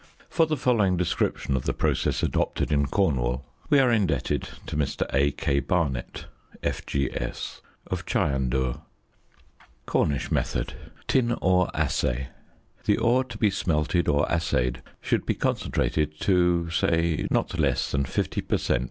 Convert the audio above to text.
For the following description of the process adopted in Cornwall we are indebted to Mr. A.K. Barnett, F.G.S., of Chyandour. ~Cornish Method.~ Tin Ore Assay. The ore to be smelted or assayed should be concentrated to say not less than 50 per cent.